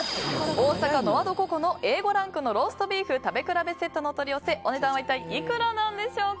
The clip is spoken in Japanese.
大阪ノワドココのＡ５ランクのローストビーフ食べ比べセットのお取り寄せ、お値段は一体いくらなんでしょうか。